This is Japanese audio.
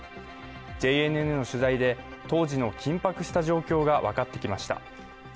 ＪＮＮの取材で当時の緊迫した状況が分かってきました。